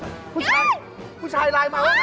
เฮ่ยผู้ชายไลน์มาว่าไงอ่ะ